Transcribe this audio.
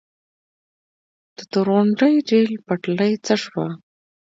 د تورغونډۍ ریل پټلۍ څه شوه؟